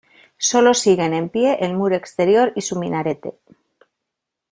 Solo siguen en pie el muro exterior y su minarete.